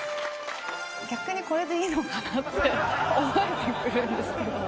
逆にこれでいいのかなって思えてくるんですけど。